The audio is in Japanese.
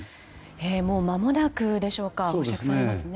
もう、まもなくでしょうか保釈されますね。